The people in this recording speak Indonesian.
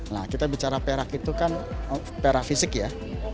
nah kita bicara perak itu kan perak fisik ya